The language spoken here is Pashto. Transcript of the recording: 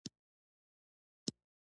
ارزانه بریښنا د صنعت لپاره ښه ده.